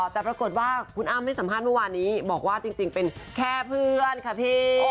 แต่ปรากฏว่าคุณอ้ำให้สัมภาษณ์เมื่อวานนี้บอกว่าจริงเป็นแค่เพื่อนค่ะพี่